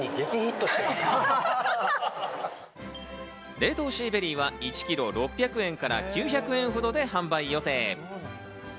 冷凍シーベリーは１キロ６００円から９００円ほどで販売予定。